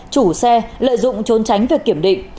chủ xe lợi dụng trốn tránh về kiểm định